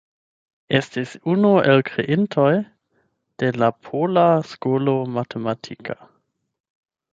Estis unu el kreintoj de la pola skolo matematika.